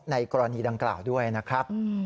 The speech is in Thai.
ในกรณีดังกล่าวด้วยนะครับ